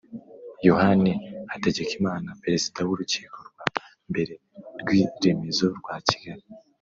yohani hategekimana, perezida w'urukiko rwa mbere rw'iremezo rwa kigali